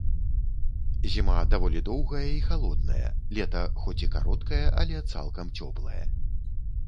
Зіма даволі доўгая і халодная, лета, хоць і кароткае, але цалкам цёплае.